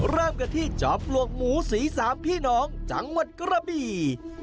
เริ่มกันที่จอมปลวกหมูสีสามพี่น้องจังหวัดกระบี่